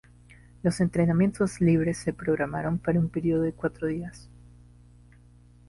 Los Entrenamientos Libres se programaron para un período de cuatro días.